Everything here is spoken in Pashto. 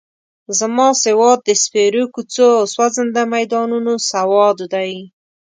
زما سواد د سپېرو کوڅو او سوځنده میدانونو سواد دی.